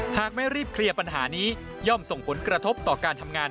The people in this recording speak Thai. หากไม่รีบเคลียร์ปัญหานี้ย่อมส่งผลกระทบต่อการทำงาน